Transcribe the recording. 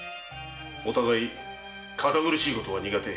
お互い堅苦しいことは苦手。